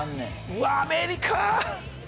うわっアメリカ！